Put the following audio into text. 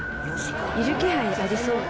いる気配ありそう？